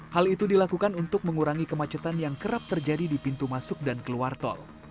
hal itu dilakukan untuk mengurangi kemacetan yang kerap terjadi di pintu masuk dan keluar tol